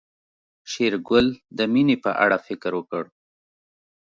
شېرګل د مينې په اړه فکر وکړ.